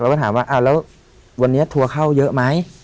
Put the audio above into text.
แล้วก็ถามว่าแล้ววันนี้ทัวร์เข้าเยอะไหม